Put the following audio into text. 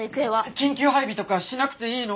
緊急配備とかしなくていいの？